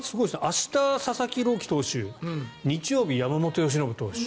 明日、佐々木朗希投手日曜日、山本由伸投手。